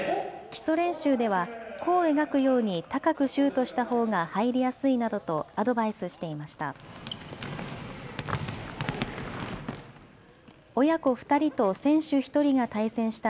基礎練習では弧を描くように高くシュートしたほうが入りやすいなどとアドバイスしていました。